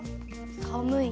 寒い？